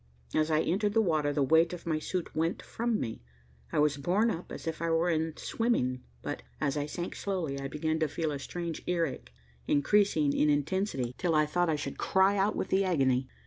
As I entered the water, the weight of my suit went from me, I was borne up as if I were in swimming, but, as I sank slowly, I began to feel a strange earache, increasing in intensity till I thought I should cry out with the agony.